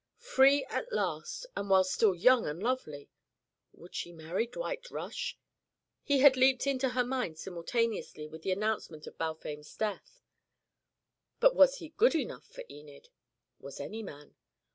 Free at last, and while still young and lovely! Would she marry Dwight Rush? He had leaped into her mind simultaneously with the announcement of Balfame's death. But was he good enough for Enid? Was any man?